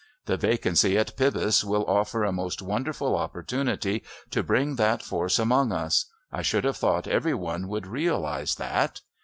The vacancy at Pybus will offer a most wonderful opportunity to bring that force among us. I should have thought every one would realise that.